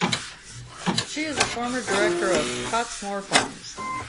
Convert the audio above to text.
She is a former director of Cottesmore Farms.